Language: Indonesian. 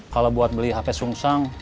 kalau buat beli hp sungsang